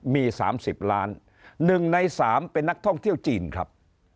มี๓๐ล้าน๑ใน๓เป็นนักท่องเที่ยวจีนครับ